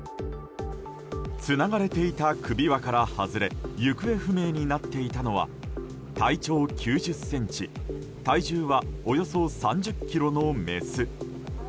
つながれていた首輪から外れ行方不明になっていたのは体長９０ｃｍ体重はおよそ３０ｋｇのメス。